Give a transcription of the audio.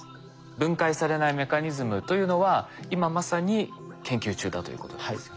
分解されないメカニズムというのは今まさに研究中だということですよね。